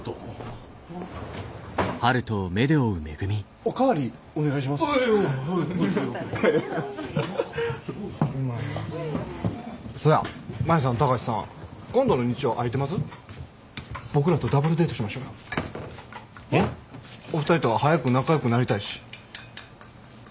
お二人とは早く仲良くなりたいし。